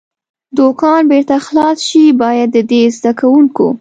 دوکان بېرته خلاص شي، باید د دې زده کوونکو.